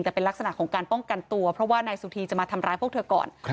แต่เป็นลักษณะของการป้องกันตัวเพราะว่านายสุธีจะมาทำร้ายพวกเธอก่อน